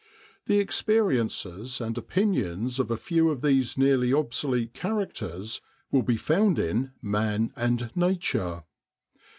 The experiences and opinions of a few of these nearly obsolete char acters will be found in 'Man and Nature.'